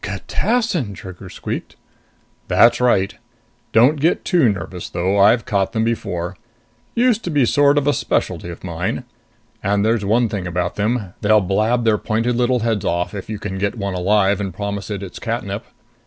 "Catassin!" Trigger squeaked. "That's right. Don't get too nervous though. I've caught them before. Used to be a sort of specialty of mine. And there's one thing about them they'll blab their pointed little heads off if you can get one alive and promise it its catnip...."